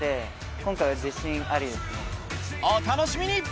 お楽しみに！